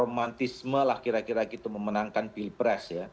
romantisme lah kira kira gitu memenangkan pilpres ya